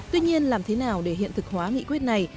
tuy nhiên làm thế nào để hiện thực hóa nghị quyết này